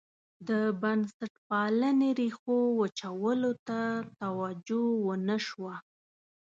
د بنسټپالنې ریښو وچولو ته توجه ونه شوه.